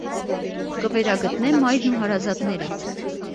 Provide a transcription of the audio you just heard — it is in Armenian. Կը վերագտնէ մայրն ու հարազատները։